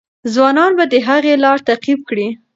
ځوانان به د هغې لار تعقیب کړي.